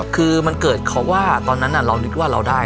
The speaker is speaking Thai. คือมันเกิดเขาว่าตอนนั้นเรานึกว่าเราได้